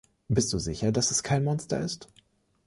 Bist du sicher, dass es kein Monster ist?